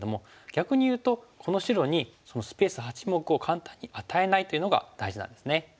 逆にいうとこの白にそのスペース８目を簡単に与えないというのが大事なんですね。